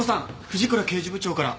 藤倉刑事部長から。